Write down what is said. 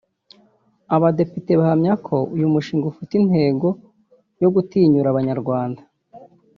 Abadepite bahamya ko uyu mushinga ufite intego yo gutinyura Abanyarwanda